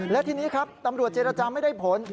และทีนี้ครับตำรวจเจรจาไม่ได้ผล